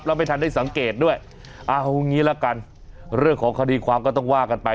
แล้วไม่ทันได้สังเกตด้วยเอางี้ละกันเรื่องของคดีความก็ต้องว่ากันไป